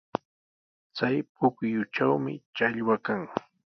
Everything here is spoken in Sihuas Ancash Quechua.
Chay pukyutrawmi challwa kan.